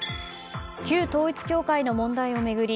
旧統一教会の問題を巡り